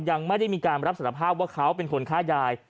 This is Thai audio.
ยังไม่ได้มีการรับสารภาพว่าเขาเป็นคนฆ่ายาย